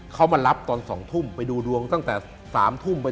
เขามารับตอน๒ทุ่มไปดูดวงตั้งแต่๓ทุ่มไป